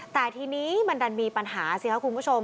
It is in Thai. แต่ทีนี้มันดันมีปัญหาสิครับคุณผู้ชม